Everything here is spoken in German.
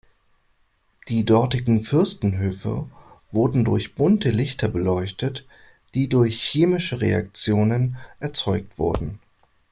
Die dortigen Fürstenhöfe wurden durch bunte Lichter beleuchtet, die durch chemische Reaktionen erzeugt wurden.